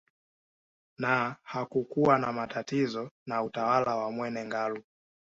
Na hakukuwa na matatizo na utawala wa Mwene Ngalu